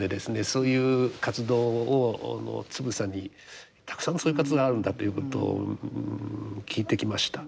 そういう活動をつぶさにたくさんのそういう活動があるんだということを聞いてきました。